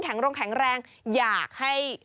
แข็งร่งแข็งแรงอยากให้